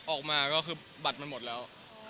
ออกมาก็คือบัตรมันหมดแล้ว